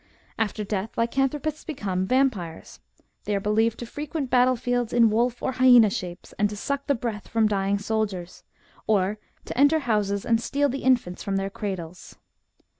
After death lycanthropists become vampires. They are believed to frequent battlefields in wolf or hyaBna shapes, and to suck the breath from dying soldiers, or to enter houses and steal the infants from their cradles.